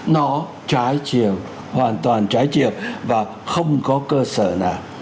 nó trái chiều hoàn toàn trái chiều và không có cơ sở nào